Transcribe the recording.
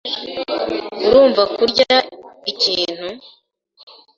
Urumva kurya ikintu?